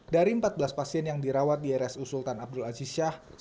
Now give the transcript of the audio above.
dari empat belas pasien yang dirawat di rsu sultan abdul aziz syah